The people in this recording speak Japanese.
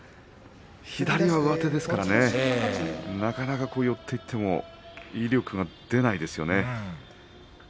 左は上手ですからなかなか寄っていっても威力が出ないですよね。